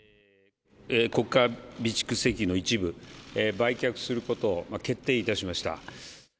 国家備蓄石油の一部売却することを決定いたしました。